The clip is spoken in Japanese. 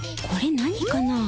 これ何かな？